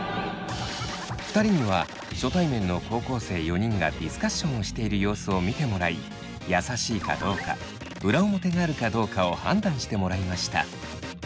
２人には初対面の高校生４人がディスカッションをしている様子を見てもらい優しいかどうか裏表があるかどうかを判断してもらいました。